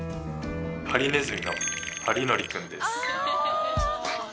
ハリネズミのハリノリ君です。